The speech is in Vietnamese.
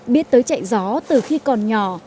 biết tới chạy gió từ khi còn nhỏ